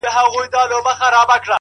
بيا کرار .کرار د بت و خواته گوري.